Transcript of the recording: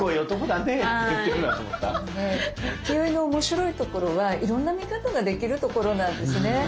浮世絵の面白いところはいろんな見方ができるところなんですね。